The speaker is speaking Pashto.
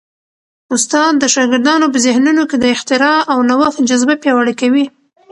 استاد د شاګردانو په ذهنونو کي د اختراع او نوښت جذبه پیاوړې کوي.